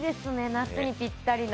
夏にぴったりな。